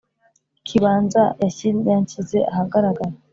ikibanza yashyize ahagaragara